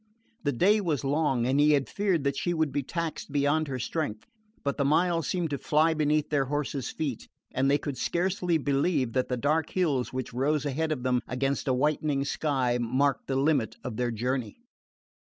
The way was long, and he had feared that she would be taxed beyond her strength; but the miles seemed to fly beneath their horses' feet, and they could scarcely believe that the dark hills which rose ahead of them against a whitening sky marked the limit of their journey.